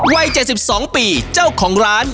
วัยเจ็ดสิบสองปีเจ้าของร้าน